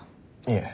いえ。